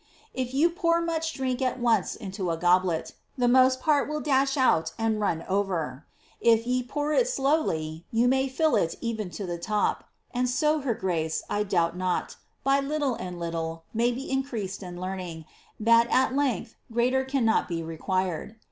If you pour much drink at once into a goblet, the most part will dash out and run over ; if ye pour it softly, you may fill it even to the top, and so her Grace, I doubt not, by little and little, may be increased in learning, that at length greater cannot be required.